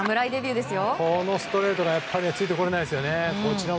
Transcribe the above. このストレートにはついてこれないですね。